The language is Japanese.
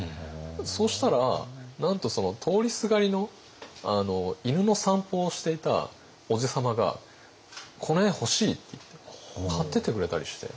そしたらなんと通りすがりの犬の散歩をしていたおじさまが「この絵欲しい」って言って買ってってくれたりして。